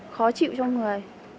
khó chịu cho người